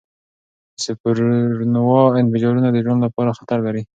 د سوپرنووا انفجارونه د ژوند لپاره خطر لري.